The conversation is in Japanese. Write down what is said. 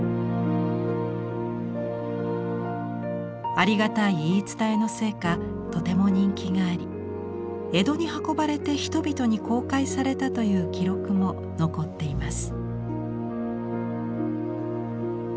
ありがたい言い伝えのせいかとても人気があり江戸に運ばれて人々に公開されたという記録も残っています。